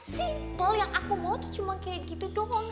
simple yang aku mau tuh cuma kayak gitu doang